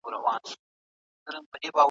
موږ پلان ته اړتيا لرو.